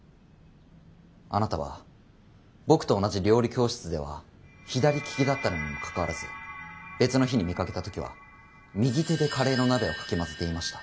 あなたは僕と同じ料理教室では左利きだったのにもかかわらず別の日に見かけた時は右手でカレーの鍋をかき混ぜていました。